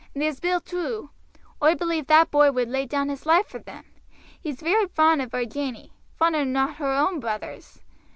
And there's Bill too oi believe that boy would lay down his life for him. He's very fond of our Janey fonder nor her own brothers.